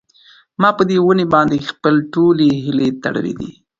ما په دې ونې باندې خپلې ټولې هیلې تړلې وې.